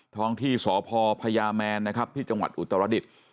ท้องที่สพพญอย่างพิจังหวัดอุตรดิษฐ์